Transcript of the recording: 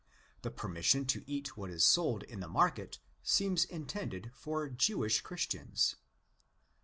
The permission to eat what is sold in the market seems intended for Jewish Christians.